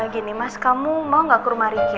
gini mas kamu mau gak ke rumah ricky